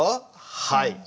はい。